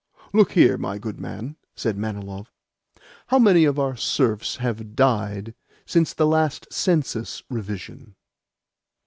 "Look here, my good man," said Manilov. "How many of our serfs have died since the last census revision?"